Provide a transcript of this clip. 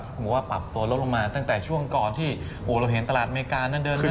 สมมุติว่าปรับตัวลดลงมาตั้งแต่ช่วงก่อนที่เราเห็นตลาดอเมริกานั้นเดินไป